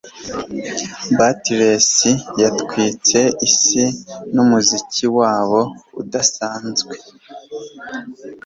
beatles yatwitse isi numuziki wabo udasanzwe